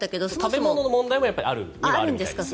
食べ物の問題もあるにはあるみたいですけど。